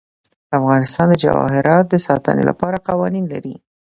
افغانستان د جواهرات د ساتنې لپاره قوانین لري.